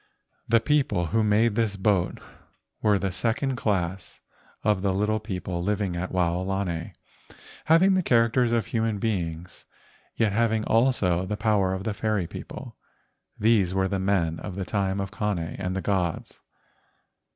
The people who made this boat were the second class of the little people living at Wao¬ lani, having the characters of human beings, yet having also the power of the fairy people. These were the men of the time of Kane and the gods.